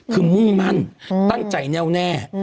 คือมุ่งมั่นตั้งใจแน่วแน่